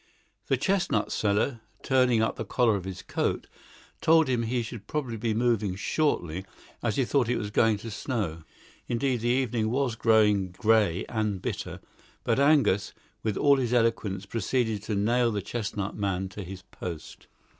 The chestnut seller, turning up the collar of his coat, told him he should probably be moving shortly, as he thought it was going to snow. Indeed, the evening was growing grey and bitter, but Angus, with all his eloquence, proceeded to nail the chestnut man to his post.